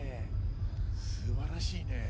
すばらしいね。